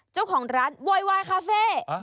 เจ้าของร้านโวยวายคาเฟ่